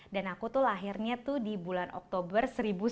dan aku tuh lahirnya tuh di bulan oktober seribu sembilan ratus sembilan puluh